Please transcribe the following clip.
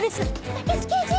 武智刑事！